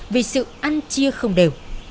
vì sự ăn chia không đều